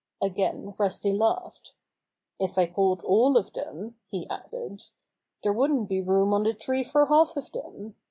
Again Rusty laughed. "If I called all of them," he added, "there wouldn't be room on the tree for half of them.